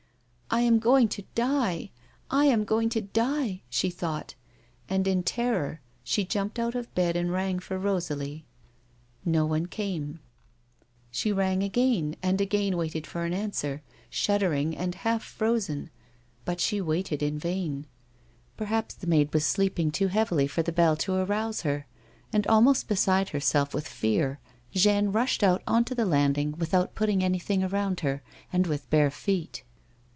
" I am going to die ! I am going to die !" she thought ; and, in her terror, she jumped out of bed, and rang for Bosalie. A WOMAN'S LIFE. 105 No one came ; she rang again, and again waited for an answer, shuddering and half frozen ; but she waited in vain. Perhaps the maid was sleeping too heavily for the bell to rouse her, and, almost beside herself with fear, Jeanne rushed out on to the landing without putting any thing round her, and with bare feet.